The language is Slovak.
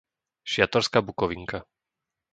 Šiatorská Bukovinka